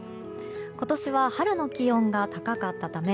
今年は春の気温が高かったため